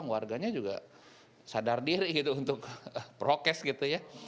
warganya juga sadar diri gitu untuk prokes gitu ya